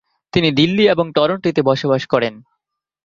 তিনি দিল্লী এবং টরন্টো-তে বসবাস করেন।